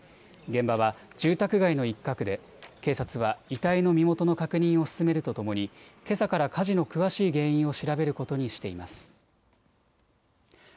現場は住宅街の一角で警察は遺体の身元の確認を進めるとともに、けさから火事の詳しい原因を調べることにしています。